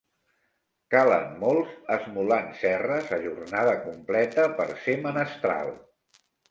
Calen molts esmolant serres a jornada completa per ser menestral.